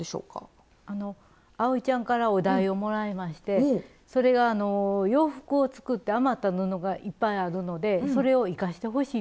あおいちゃんからお題をもらいましてそれがあの洋服を作って余った布がいっぱいあるのでそれを生かしてほしいということだったんです。